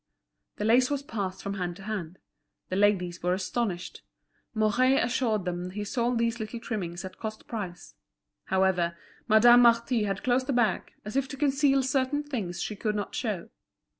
The lace was passed from hand to hand. The ladies were astonished. Mouret assured them he sold these little trimmings at cost price. However, Madame Marty had closed the bag, as if to conceal certain things she could not show.